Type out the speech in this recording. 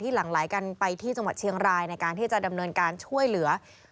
หลังไหลกันไปที่จังหวัดเชียงรายในการที่จะดำเนินการช่วยเหลือ